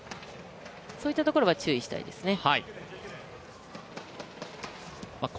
そういったところは注意したいですね。